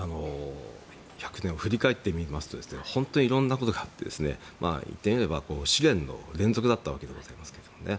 １００年を振り返ってみますと本当にいろんなことがあって言ってみれば試練の連続だったわけでございますけどね。